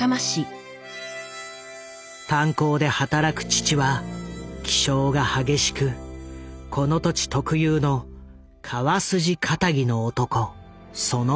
炭鉱で働く父は気性が激しくこの土地特有の川筋気質の男そのものだった。